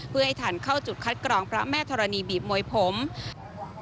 เพื่อให้ทันเข้าจุดคัดกรองพระแม่ธรณีบีบมวยผม